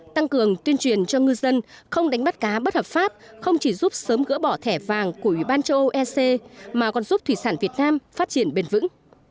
tuyên truyền yêu cầu ngư dân không đánh bắt cá bất hợp pháp không chỉ giúp sớm gỡ bỏ thẻ vàng của ủy ban châu âu ec mà còn giúp thủy sản việt nam phát triển bền vững